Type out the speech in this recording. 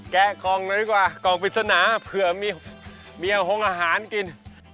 แกะกล่องหน่อยดีกว่ากล่องปริศนาเผื่อมีเมียหงอาหารกิน